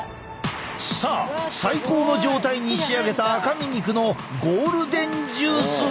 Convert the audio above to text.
さあ最高の状態に仕上げた赤身肉のゴールデンジュースは？